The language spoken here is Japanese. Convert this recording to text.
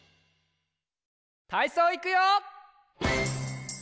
たいそういくよ！